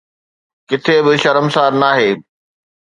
ڪٿي به شرمسار ناهي.